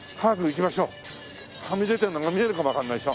はみ出てるのが見れるかもわかんないでしょ。